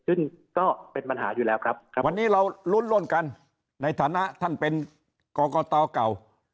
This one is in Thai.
ฉะนั้นวันนี้วันนี้เรารุ่นร่วมกันในฐานะท่านเป็นกรกเตาเก่า